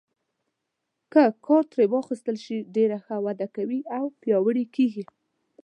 که کار ترې واخیستل شي ډېره ښه وده کوي او پیاوړي کیږي.